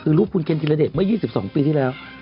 คือรูปคุณเคนธิรเดชเมื่อ๒๒ปีที่แล้ว